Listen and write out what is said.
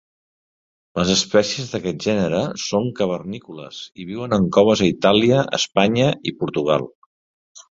Les espècies d'aquest gènere són cavernícoles i viuen en coves a Itàlia, Espanya i Portugal.